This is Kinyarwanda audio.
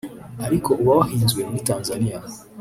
ariko uba wahinzwe muri Tanzania